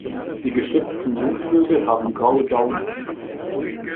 Die geschlüpften Jungvögel haben graue Daunen.